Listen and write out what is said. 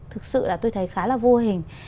thực sự là tôi thấy khá là vô hình